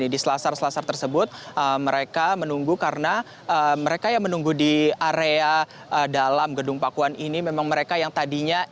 di selasar selasar tersebut mereka menunggu karena mereka yang menunggu di area dalam gedung pakuan ini memang mereka yang tadinya